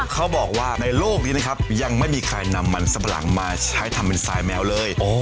เขาบอกว่าในโลกนี้ยังไม่มีใครนำมันสะพรังมาใช้เป็นไซน์แมวเลย